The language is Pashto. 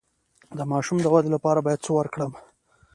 د ماشوم د ودې لپاره باید څه ورکړم؟